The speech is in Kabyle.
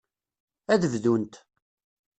Ad bdunt.